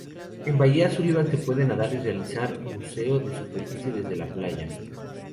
En Bahía Sullivan se puede nadar y realizar buceo de superficie desde la playa.